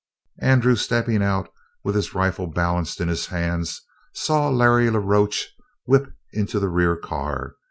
Andrew, stepping out with his rifle balanced in his hands, saw Larry la Roche whip into the rear car.